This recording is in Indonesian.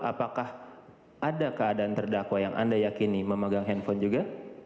apakah ada keadaan terdakwa yang anda yakini memegang handphone juga